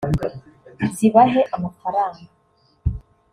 zibahe amafaranga